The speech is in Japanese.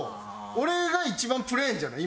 俺が一番プレーンじゃない？